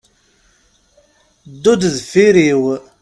Ddu-d deffr-iw.